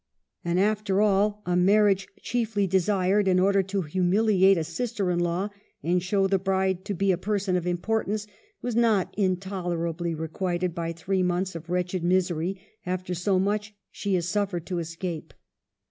And after all, a marriage chiefly desired in order to humiliate a sister in law and show the bride to be a person of importance, was not intolerably requited by three months of wretched misery ; after so much she is suffered to escape.